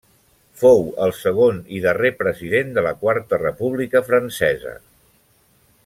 Fou el segon i darrer president de la Quarta República francesa.